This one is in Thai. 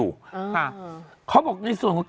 อุ้ยจังหวัด